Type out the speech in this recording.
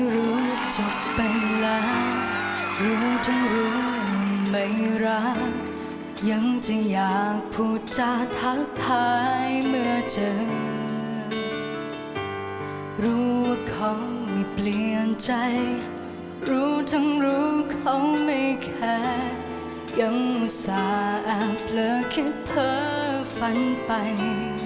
รู้ทั้งรู้เขาไม่แค่ยังอุตส่าห์อาบเหลือคิดเพ้อฝันไป